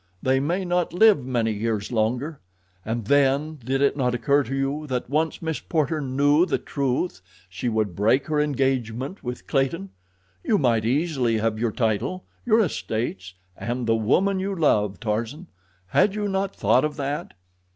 They may not live many years longer. And then, did it not occur to you that once Miss Porter knew the truth she would break her engagement with Clayton? You might easily have your title, your estates, and the woman you love, Tarzan. Had you not thought of that?"